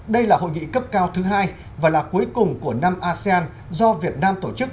đây là hội nghị cấp cao thứ hai và là cuối cùng của năm asean do việt nam tổ chức